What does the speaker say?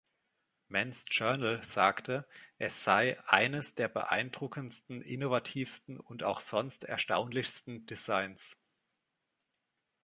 „Men's Journal" sagte, es sei „eines der beeindruckendsten, innovativsten und auch sonst erstaunlichsten Designs".